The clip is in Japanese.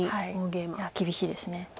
いや厳しいです。